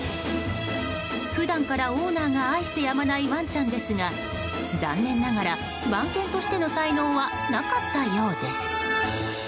普段からオーナーが愛してやまないワンちゃんですが残念ながら番犬としての才能はなかったようです。